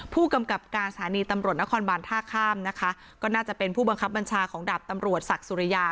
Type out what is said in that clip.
ผู้กำกับการสถานีตำรวจนครบานท่าข้ามนะคะก็น่าจะเป็นผู้บังคับบัญชาของดาบตำรวจศักดิ์สุริยา